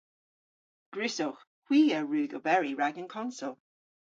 Gwrussowgh. Hwi a wrug oberi rag an konsel.